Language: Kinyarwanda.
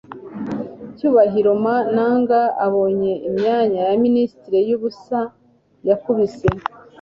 cyubahiro m.a. nanga, abonye imyanya ya minisitiri yubusa, yakubise